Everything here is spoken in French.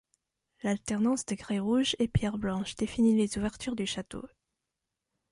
L'alternance de grès rouge et pierre blanche défini les ouvertures du château.